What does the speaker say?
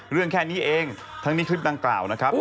เรื่องแค่นี้เองทั้งนี้คลิปต่างกล่าวนะครับ